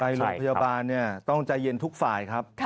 โรงพยาบาลเนี่ยต้องใจเย็นทุกฝ่ายครับ